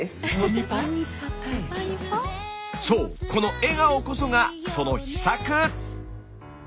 そうこの笑顔こそがその秘策！